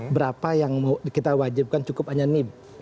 berapa yang kita wajibkan cukup hanya nip